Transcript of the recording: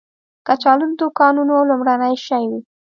کچالو د دوکانونو لومړنی شی وي